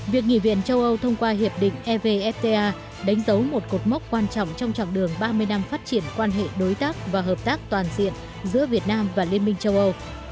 việc nghỉ viện châu âu thông qua hiệp định evfta đánh dấu một cột mốc quan trọng trong chặng đường ba mươi năm phát triển quan hệ đối tác và hợp tác toàn diện giữa việt nam và liên minh châu âu